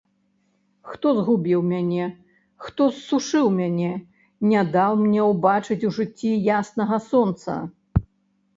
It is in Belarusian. Хто згубіў мяне, хто ссушыў мяне, не даў мне ўбачыць у жыцці яснага сонца?